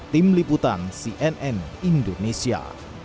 tim liputan cnn indonesia